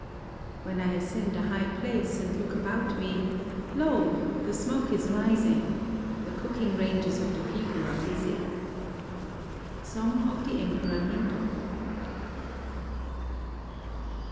(When I ascend a high place and look ahout me, lo ! the smoke is rising : the cooking ranges of the people are busy.) Song of the Emperor Nintoku.